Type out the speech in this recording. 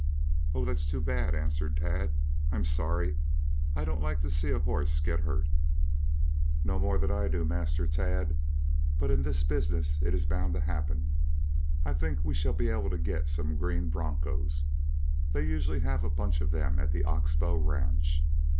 "Oh, that's too bad," answered Tad. "I'm sorry. I don't like to see a horse get hurt." "No more do I, Master Tad. But in this business it is bound to happen. I think we shall be able to get some green bronchos. They usually have a bunch of them at the Ox Bow ranch.